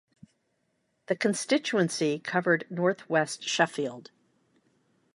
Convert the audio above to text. The constituency covered north west Sheffield.